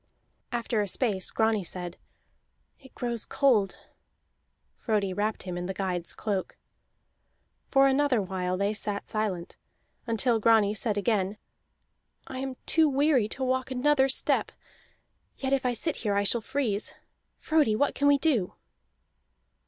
After a space Grani said, "It grows cold." Frodi wrapped him in the guide's cloak. For another while they sat silent, until Grani said again: "I am too weary to walk another step, yet if I sit here I shall freeze. Frodi, what can we do?"